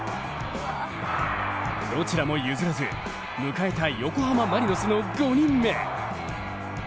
どちらも譲らず迎えた横浜マリノスの５人目。